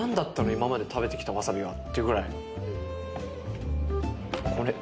今まで食べてきたわさびはってぐらい。